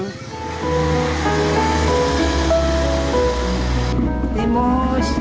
nenek kebun kasang kebun kasang